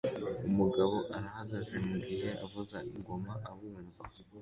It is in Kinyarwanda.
Umugabo arahagaze mugihe avuza ingoma abumva